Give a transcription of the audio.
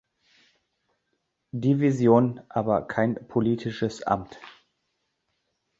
Division aber kein politisches Amt.